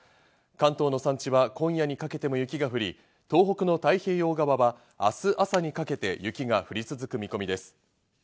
関東の山地は今夜にかけても雪が降り、東北の太平洋側は明日朝にかけて雪が降り続く見込みです。